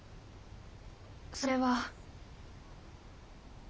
それは。